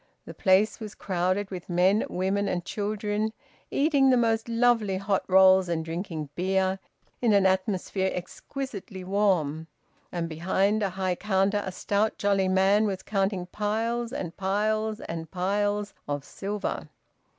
The place was crowded with men, women, and children eating the most lovely, hot rolls and drinking beer, in an atmosphere exquisitely warm. And behind a high counter a stout jolly man was counting piles and piles and piles of silver.